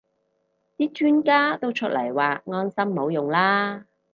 啲專家都出嚟話安心冇用啦